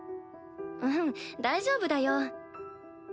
うん大丈夫だよ。